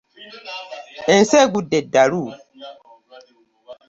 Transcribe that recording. Ensi egudde eddalu.